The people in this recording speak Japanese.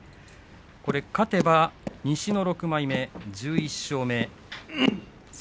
勝てば西の６枚目１１勝目です。